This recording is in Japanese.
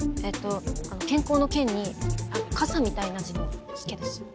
えっと健康の「健」に傘みたいな字の「介」です。